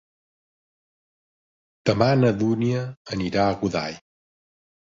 Demà na Dúnia anirà a Godall.